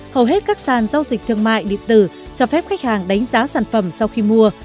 hầu hết các sàn giao dịch thương mại điện tử cho phép khách hàng đánh giá sản phẩm sau khi mua